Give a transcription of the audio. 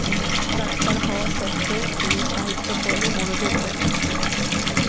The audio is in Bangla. ডাক্তার হওয়া সত্ত্বেও তিনি সাহিত্যকর্মে মনোযোগ দেন।